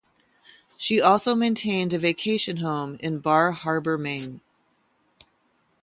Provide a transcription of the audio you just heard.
She also maintained a vacation home in Bar Harbor, Maine.